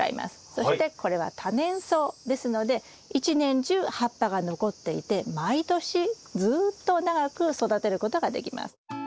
そしてこれは多年草ですので一年中葉っぱが残っていて毎年ずっと長く育てることができます。